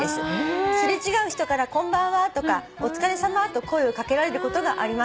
「擦れ違う人から『こんばんは』とか『お疲れさま』と声をかけられることがあります」